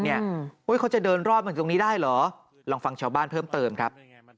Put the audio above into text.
เฮ้ยเค้าจะเดินรอบเหมือนตรงนี้ได้หรอลองฟังชาวบ้านเพิ่มเติมครับ